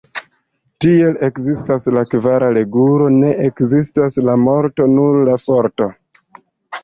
Tial ekzistas la kvara regulo: "Ne ekzistas la morto, nur la Forto".